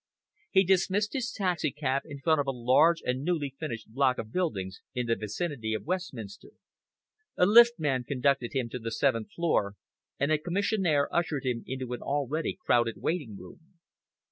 He dismissed his taxicab in front of a large and newly finished block of buildings in the vicinity of Westminster. A lift man conducted him to the seventh floor, and a commissionaire ushered him into an already crowded waiting room.